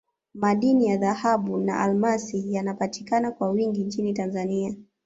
madini ya dhahabu na almasi yanapatikana kwa wingi nchini tanzania